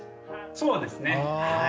そうですね。